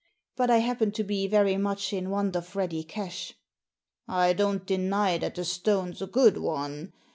But I happen to be very much in want of ready cash." " I don't deny that the stone's a good one.